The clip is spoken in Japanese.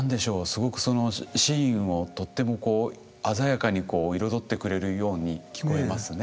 すごくそのシーンをとってもこう鮮やかに彩ってくれるように聞こえますね。